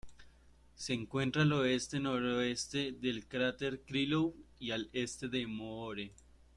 Se encuentra al oeste-noroeste del cráter Krylov, y al este de Moore.